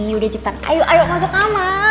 ini udah cepetan ayo ayo masuk kamar